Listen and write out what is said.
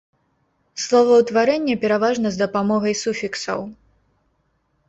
Словаўтварэнне пераважна з дапамогай суфіксаў.